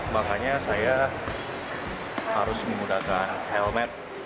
makanya saya harus menggunakan helmet